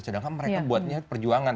sedangkan mereka buatnya perjuangan